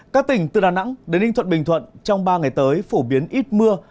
các tỉnh từ đà nẵng đến ninh thuận bình thuận trong ba ngày tới phổ biến ít mưa